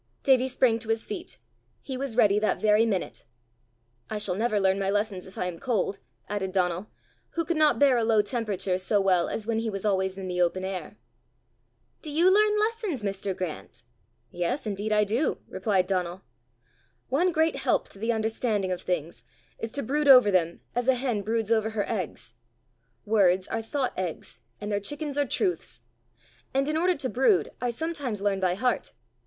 Davie sprang to his feet: he was ready that very minute. "I shall never learn my lessons if I am cold," added Donal, who could not bear a low temperature so well as when he was always in the open air. "Do you learn lessons, Mr. Grant?" "Yes indeed I do," replied Donal. "One great help to the understanding of things is to brood over them as a hen broods over her eggs: words are thought eggs, and their chickens are truths; and in order to brood I sometimes learn by heart.